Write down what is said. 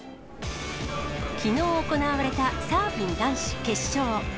きのう行われたサーフィン男子決勝。